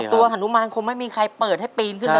ตัวหนุมานคงไม่มีใครเปิดให้ปีนขึ้นแล้วหรอก